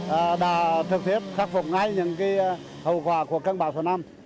công an thứ thiên huế đã trực tiếp khắc phục ngay những hậu quả của cơn bão số năm